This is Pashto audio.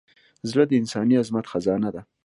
زړه د انساني عظمت خزانه ده.